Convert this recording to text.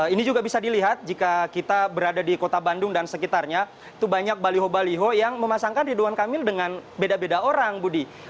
ini juga bisa dilihat jika kita berada di kota bandung dan sekitarnya itu banyak baliho baliho yang memasangkan ridwan kamil dengan beda beda orang budi